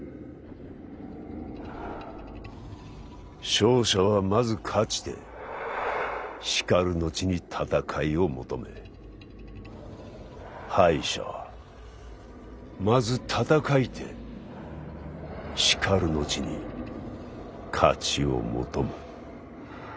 勝者はまず勝ちてしかる後に戦いを求め敗者はまず戦いてしかる後に勝ちを求む。